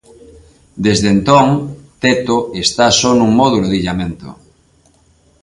Desde entón 'Teto' está só nun módulo de illamento.